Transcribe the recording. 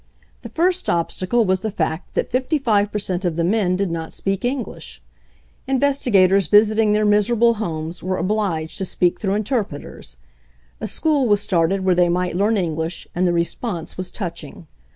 ^ The first obstacle was the fact that 55 per cent of the men did not speak English. Investigators visiting their miserable homes were obliged to speak through interpreters. A school was started where they might learn English, and the response was touching.